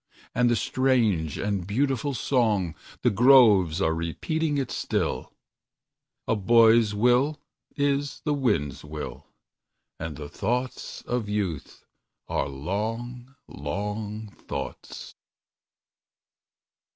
And the strange and beautiful song, The groves are repeating it still: "A boy's will is the wind's will, And the thoughts of youth are long, long thoughts."